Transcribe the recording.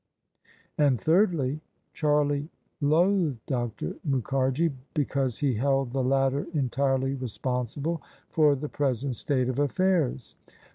And, thirdly, Charlie loathed Dr. Mukharji, be cause he held the latter entirely responsible for the present state of affairs.